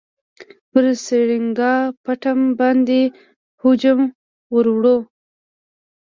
پر سرینګا پټم باندي هجوم ورووړ.